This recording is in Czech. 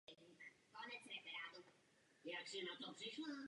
Marek Klásek je členem české reprezentace.